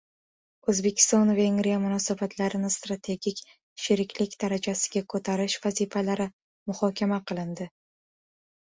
O‘zbekiston – Vengriya munosabatlarini strategik sheriklik darajasiga ko‘tarish vazifalari muhokama qilindi